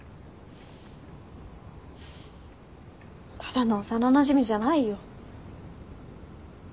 ただの幼なじみじゃないよ。